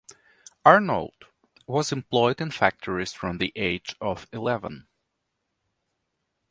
Arnold was employed in factories from the age of eleven.